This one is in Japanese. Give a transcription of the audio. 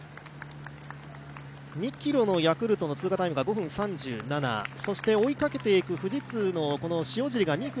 ２ｋｍのヤクルトの通過タイムが５分３７、追いかけていく富士通の塩尻が２分